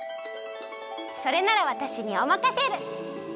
それならわたしにおまかシェル！